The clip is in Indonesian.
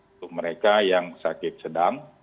untuk mereka yang sakit sedang